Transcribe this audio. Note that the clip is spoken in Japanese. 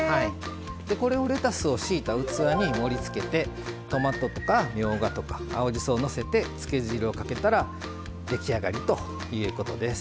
これをレタスを敷いた器に盛りつけてトマトとかみょうがとか青じそをのせてつけ汁をかけたら出来上がりということです。